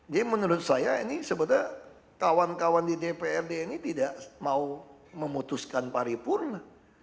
jadi menurut saya ini sebetulnya kawan kawan di dprd ini tidak mau memutuskan paripurna